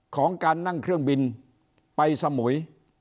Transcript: ของการนั่งเครื่องบินไปสมุย